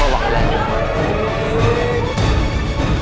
bergerak sendiri pak ustadz